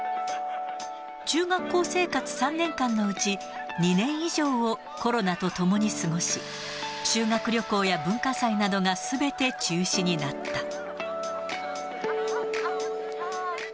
中学校生活３年間のうち、２年以上をコロナとともに過ごし、修学旅行や文化祭などがすべて中止になった。